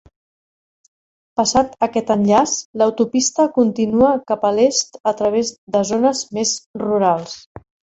Passat aquest enllaç, l'autopista continua cap a l'est a través de zones més rurals.